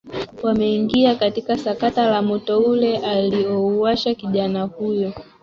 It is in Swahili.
wameingia katika sakata la moto ule aliouwasha kijana huyo